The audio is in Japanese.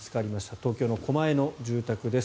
東京の狛江の住宅です。